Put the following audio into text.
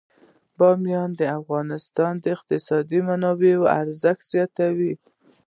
بامیان د افغانستان د اقتصادي منابعو ارزښت زیاتوي.